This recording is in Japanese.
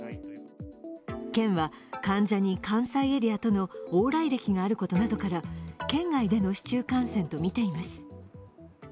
県は患者に関西エリアとの往来歴があることなどから県外での市中感染とみています。